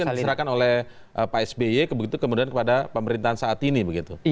kan itu yang diserahkan oleh pak sby kemudian kepada pemerintahan saat ini begitu